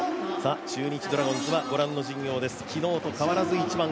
中日ドラゴンズはご覧の陣容です。